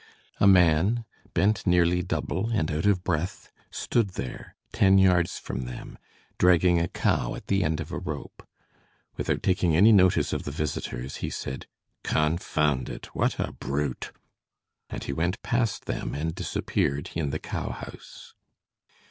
A man bent nearly double, and out of breath, stood there, ten yards from them, dragging a cow at the end of a rope. Without taking any notice of the visitors, he said: "Confound it! What a brute!" And he went past them and disappeared in the cow house.